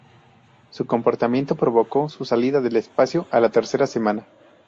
Su comportamiento provocó su salida del espacio a la tercera semana.